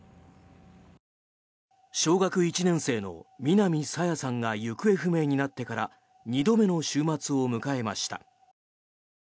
小学１年生の南朝芽さんが行方不明になってから２度目の週末を迎えました。